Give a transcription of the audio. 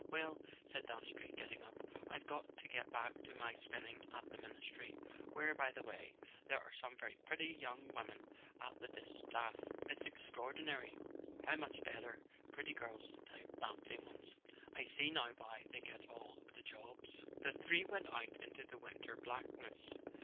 "Well," said Dastrey, getting up, "I've got to get back to my spinning at the Ministry; where, by the way, there are some very pretty young women at the distaff. It's extraordinary how much better pretty girls type than plain ones; I see now why they get all the jobs." The three went out into the winter blackness.